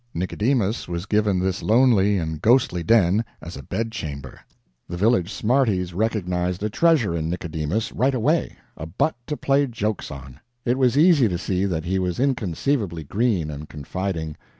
Nicodemus was given this lonely and ghostly den as a bedchamber. The village smarties recognized a treasure in Nicodemus, right away a butt to play jokes on. It was easy to see that he was inconceivably green and confiding.